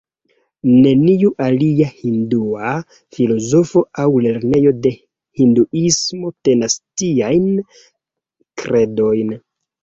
Neniu alia hindua filozofo aŭ lernejo de hinduismo tenas tiajn kredojn.